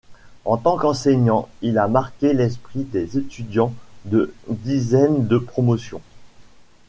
En tant qu’enseignant, il a marqué l’esprit des étudiants de dizaines de promotions.